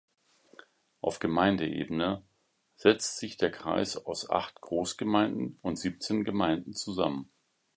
Auf Gemeindeebene setzt sich der Kreis aus acht Großgemeinden und siebzehn Gemeinden zusammen.